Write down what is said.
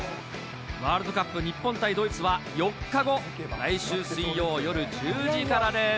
ワールドカップ日本対ドイツは、４日後、来週水曜夜１０時からです。